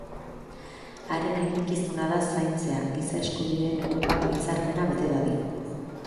Haren eginkizuna da zaintzea Giza Eskubideen Europako Hitzarmena bete dadin.